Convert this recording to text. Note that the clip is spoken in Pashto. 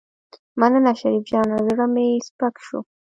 مننه شريف جانه زړه مې سپک شو.